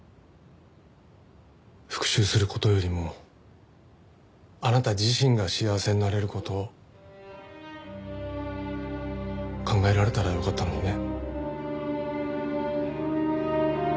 復讐する事よりもあなた自身が幸せになれる事を考えられたらよかったのにね。